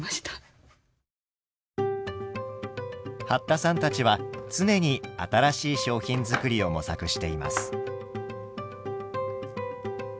八田さんたちは常に新しい商品作りを模索しています。